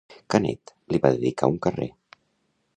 Canet li va dedicar un carrer.